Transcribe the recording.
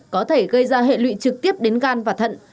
có thể gây ra hệ lụy trực tiếp đến gan và thận